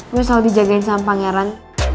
gak usah dijagain sama pangeran